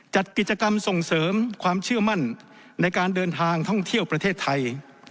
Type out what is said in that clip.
จัดกิจกรรมส่งเสริมความเชื่อมั่นในการเดินทางท่องเที่ยวประเทศไทย